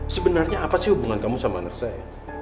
sebenarnya apa sih hubungan kamu sama anak saya